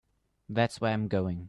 That's where I'm going.